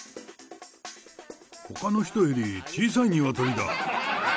ほかの人より小さいニワトリだ。